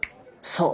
そう。